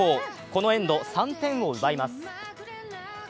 このエンド３点を奪います。